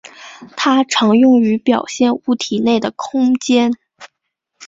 它常用于表现物体内的空间。